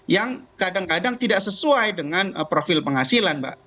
yang kadang kadang tidak sesuai dengan profil penghasilan mbak